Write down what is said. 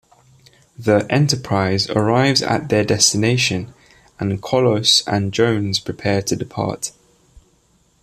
The "Enterprise" arrives at their destination, and Kollos and Jones prepare to depart.